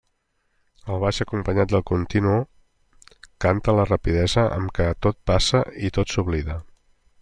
El baix acompanyat del continu, canta la rapidesa amb què tot passa i tot s'oblida.